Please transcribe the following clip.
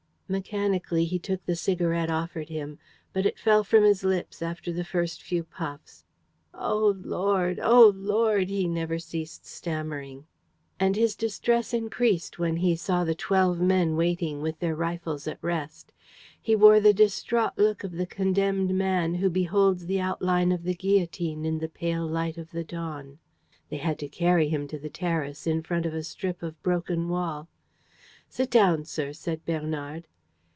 Mechanically he took the cigarette offered him. But it fell from his lips after the first few puffs. "Oh Lord, oh Lord!" he never ceased stammering. And his distress increased when he saw the twelve men waiting, with their rifles at rest. He wore the distraught look of the condemned man who beholds the outline of the guillotine in the pale light of the dawn. They had to carry him to the terrace, in front of a strip of broken wall. "Sit down, sir," said Bernard.